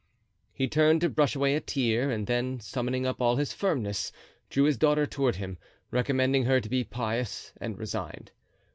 He turned to brush away a tear, and then, summoning up all his firmness, drew his daughter toward him, recommending her to be pious and resigned.